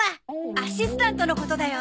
アシスタントのことだよ。